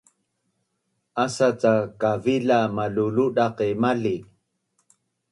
Asa cak kavila maluludaq qi mali